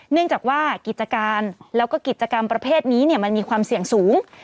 เนื่องจากว่ากิจการแล้วก็กิจกรรมประเภทนี้มันมีความเสี่ยงสูง